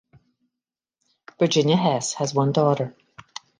Virginia Hesse has one daughter.